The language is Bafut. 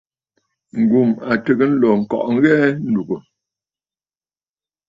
Ngum a tɨgə̀ ǹlo ŋkɔꞌɔ ŋghɛɛ a ndúgú.